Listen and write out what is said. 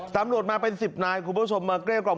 ตำรวจมาไปสิบนายคุณผู้ชมมาเกรกกล่อม